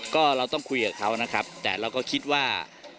ก็เราต้องคุยกับเขานะครับแต่เราก็คิดว่า